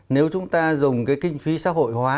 nếu chúng ta dùng cái kinh phí xã hội hóa